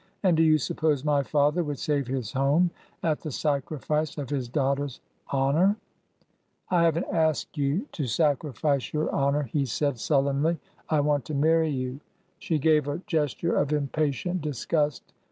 " And do you suppose my father would save his home at the sacrifice of his daughter's honor ?" I have n't asked you to sacrifice your honor," he said sullenly. I want to marry you." She gave a gesture of impatient disgust.